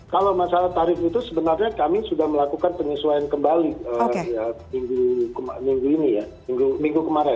kalau masalah tarif itu sebenarnya kami sudah melakukan penyesuaian kembali minggu ini ya minggu kemarin